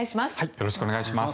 よろしくお願いします。